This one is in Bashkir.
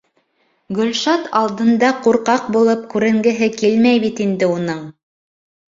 Гөлшат алдында ҡурҡаҡ булып күренгеһе килмәй бит инде уның.